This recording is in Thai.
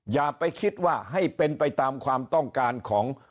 อย่าไปคิดว่าให้เป็นไปตามความต้องการของ